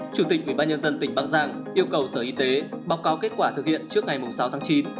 chủ tịch ubnd tỉnh bắc giang yêu cầu sở y tế báo cáo kết quả thực hiện trước ngày sáu tháng chín